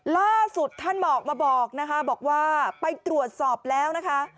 ล่าสุดท่านบอกมาบอกนะคะบอกว่าไปตรวจสอบแล้วนะคะ